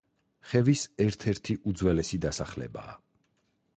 ხევის ერთ-ერთი უძველესი დასახლებაა.